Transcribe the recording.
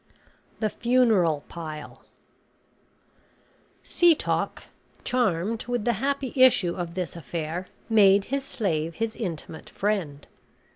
THE FUNERAL PILE Setoc, charmed with the happy issue of this affair, made his slave his intimate friend.